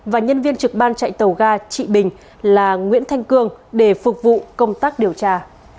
và nhân viên trực ban chạy tàu ga trị bình là nguyễn thanh cương để phục vụ công tác điều tra